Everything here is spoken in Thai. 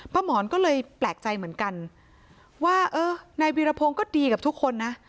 หมอนก็เลยแปลกใจเหมือนกันว่าเออนายวีรพงศ์ก็ดีกับทุกคนนะ